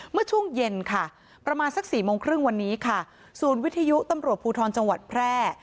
เมื่อช่วงเย็นค่ะประมาณสักสี่โมงครึ่งวันนี้ค่ะศูนย์วิทยุตำรวจภูทรจังหวัดแพร่